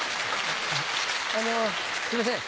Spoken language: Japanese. あのすいません。